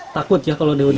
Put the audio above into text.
takut ya kalau dihubungi